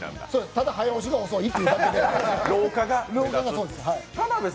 ただ早押しが遅いというだけです。